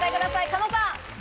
狩野さん。